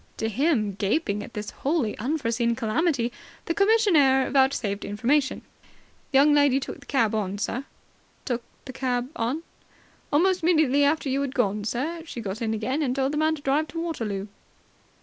To him, gaping at this wholly unforeseen calamity the commissionaire vouchsafed information. "The young lady took the cab on, sir." "Took the cab on?" "Almost immediately after you had gone, sir, she got in again and told the man to drive to Waterloo."